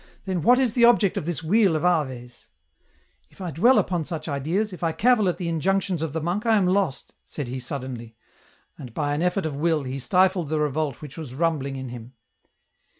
Then what is the object of this wheel of Aves ?"" If I dwell upon such ideas, if I cavil at the injunctions of the monk, I am lost," said he suddenly ; and by an effort of will, he stifled the revolt which was rumbling in him.